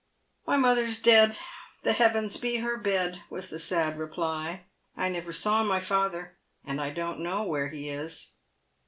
" My mother's dead — the heavens be ber bed !" was the sad reply. " I never saw my father, and I don't know where he is."